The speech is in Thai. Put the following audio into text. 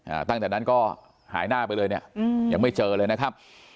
อ่าตั้งแต่นั้นก็หายหน้าไปเลยเนี้ยอืมยังไม่เจอเลยนะครับ